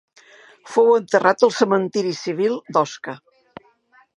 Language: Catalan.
Fou enterrat al cementiri civil d'Osca.